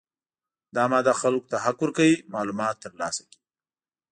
دا ماده خلکو ته حق ورکوي معلومات ترلاسه کړي.